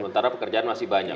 sementara pekerjaan masih banyak